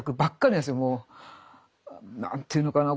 何て言うのかな